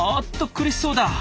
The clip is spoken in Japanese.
苦しそうだ。